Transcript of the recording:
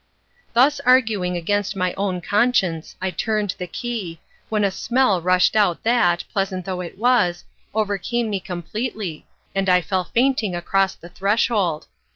Thus arguing against my own conscience, I turned the key, when a smell rushed out that, pleasant though it was, overcame me completely, and I fell fainting across the threshold.